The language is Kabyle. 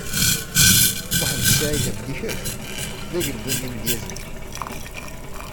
Muḥend Saɛid Amlikec, d ageldun n yimedyazen.